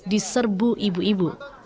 di serbu ibu ibu